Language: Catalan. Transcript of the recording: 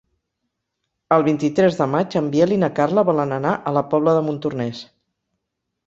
El vint-i-tres de maig en Biel i na Carla volen anar a la Pobla de Montornès.